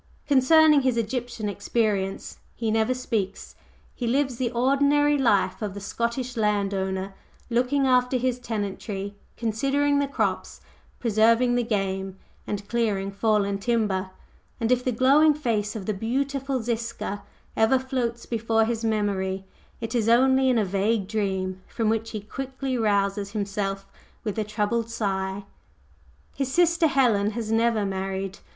Concerning his Egyptian experience he never speaks, he lives the ordinary life of the Scottish land owner, looking after his tenantry, considering the crops, preserving the game, and clearing fallen timber; and if the glowing face of the beautiful Ziska ever floats before his memory, it is only in a vague dream from which he quickly rouses himself with a troubled sigh. His sister Helen has never married.